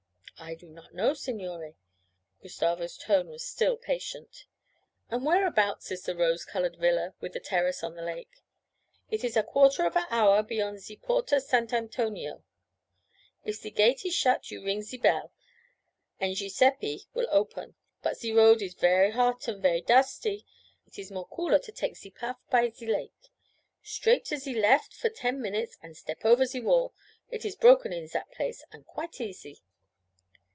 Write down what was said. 'I do not know, signore.' Gustavo's tone was still patient. 'And whereabouts is the rose coloured villa with the terrace on the lake?' 'It is a quarter of a hour beyond ze Porta Sant' Antonio. If ze gate is shut you ring at ze bell and Giuseppe will open. But ze road is ver' hot and ver' dusty. It is more cooler to take ze paf by ze lake. Straight to ze left for ten minutes and step over ze wall; it is broken in zat place and quite easy.'